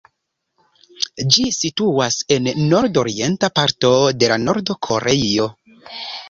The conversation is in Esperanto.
Ĝi situas en nord-orienta parto de Nord-Koreio.